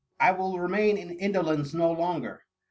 I will remain in indolence no longer.